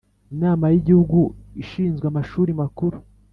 Inama y Igihugu ishinzwe amashuri makuru